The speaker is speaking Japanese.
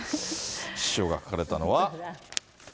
師匠が書かれたのは。